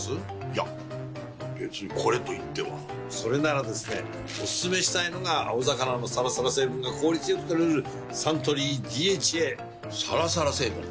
いや別にこれといってはそれならですねおすすめしたいのが青魚のサラサラ成分が効率良く摂れるサントリー「ＤＨＡ」サラサラ成分？